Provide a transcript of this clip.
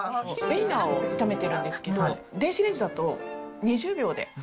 ウインナーを炒めてるんですけど、電子レンジだと２０秒で。